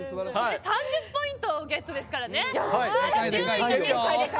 ３０ポイントゲットですからね。